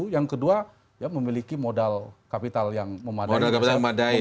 yang kedua memiliki modal kapital yang memadai